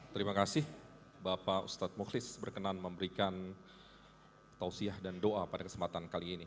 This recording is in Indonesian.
terima kasih bapak ustadz mukhlis berkenan memberikan tausiah dan doa pada kesempatan kali ini